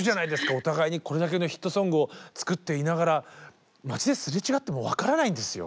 お互いにこれだけのヒットソングを作っていながら街ですれ違っても分からないんですよ。